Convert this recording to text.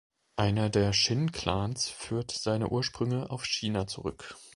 Einer der Shin-Clans führt seine Ursprünge auf China zurück.